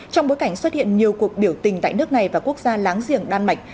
trong bối cảnh xuất hiện nhiều cuộc biểu tình tại nước này và quốc gia láng giềng đan mạch